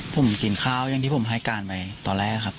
ผมกินข้าวอย่างที่ผมให้การไปตอนแรกครับ